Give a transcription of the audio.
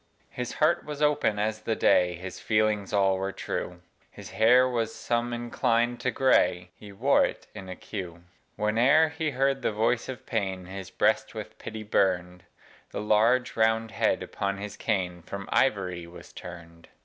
His heart was open as the day, His feelings all were true: His hair was some inclined to gray He wore it in a queue. Whene'er he heard the voice of pain, His breast with pity burn'd: The large, round head upon his cane From ivory was turn'd.